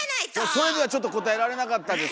それではちょっと答えられなかったです。